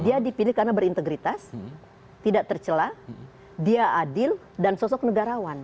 dia dipilih karena berintegritas tidak tercelah dia adil dan sosok negarawan